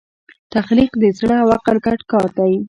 تخلیق د زړه او عقل ګډ کار دی.